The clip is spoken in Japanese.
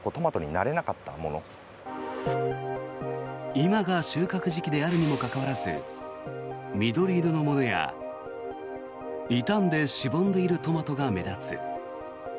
今が収穫時期であるにもかかわらず緑色のものや傷んでしぼんでいるトマトが目立つ。